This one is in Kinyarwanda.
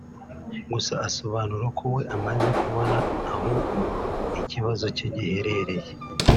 gusa asobanura ko we amaze kubona aho ikibazo cye giherereye